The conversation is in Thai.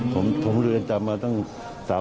ผมเรือนจำมาตั้ง๓๐๔๐ปีครับ